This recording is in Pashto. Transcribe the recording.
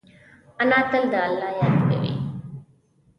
انا تل د الله یاد کوي